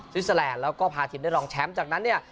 สวีสตรแหลดแล้วก็พาทีมได้รองแชมป์จากนั่นเนี่ย